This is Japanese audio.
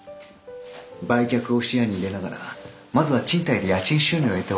売却を視野に入れながらまずは賃貸で家賃収入を得てはいかがですか？